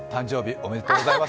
ありがとうございます。